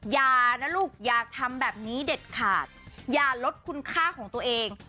อย่านะลูกอย่าทำแบบนี้เด็ดขาดอย่าลดคุณค่าของตัวเอง